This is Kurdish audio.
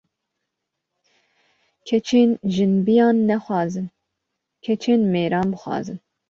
Keçên jinbiyan nexwazin keçên mêran bixwazin